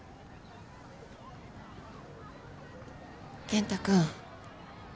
健太君。